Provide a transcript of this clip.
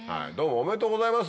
ありがとうございます。